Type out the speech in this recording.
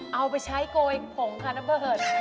เอาไปใช้โกยผงค่ะน้ำเบิด